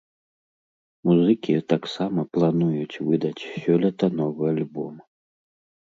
Музыкі таксама плануюць выдаць сёлета новы альбом.